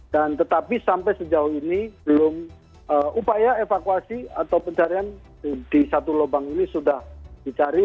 dan tetapi sampai sejauh ini belum upaya evakuasi atau pencarian di satu lubang ini sudah dicari